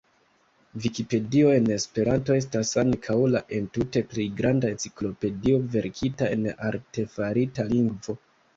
Vikipedio en Esperanto estas ankaŭ la entute plej granda enciklopedio verkita en artefarita lingvo.